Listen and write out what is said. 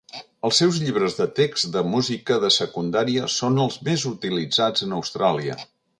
Els seus llibres de text de música de secundària són els més utilitzats en Austràlia.